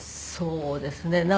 そうですね。